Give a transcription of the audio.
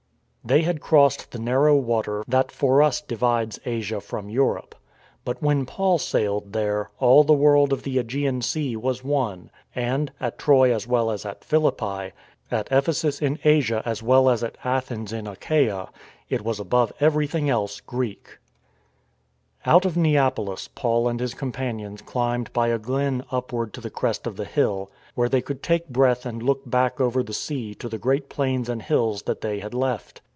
They had crossed the narrow water that for us divides Asia from Europe. But, when Paul sailed there, all the world of the ^gean Sea was one; and, at Troy as well as at Philippi, at Ephesus in Asia as well as at Athens in Achaia, it was above everything else Greek. 185 186 STORM AND STRESS Out of Neapolis Paul and his companions climbed by a glen upward to the crest of the hill, where they could take breath and look back over the sea to the great plains and hills that they had left.